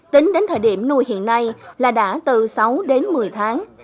tính đến thời điểm nuôi hiện nay là đã từ sáu đến một mươi tháng